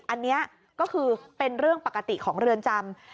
อันนี้ก็คือเป็นเรื่องปกติของเรือนจำ